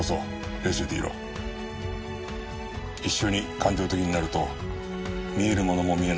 一緒に感情的になると見えるものも見えなくなる。